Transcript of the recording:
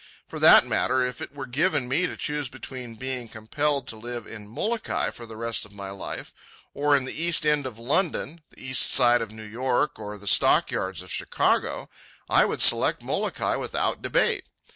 For that matter, if it were given me to choose between being compelled to live in Molokai for the rest of my life, or in the East End of London, the East Side of New York, or the Stockyards of Chicago, I would select Molokai without debate.